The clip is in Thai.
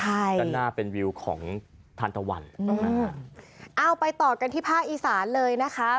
ใช่ด้านหน้าเป็นวิวของทานตะวันเอาไปต่อกันที่ภาคอีสานเลยนะคะ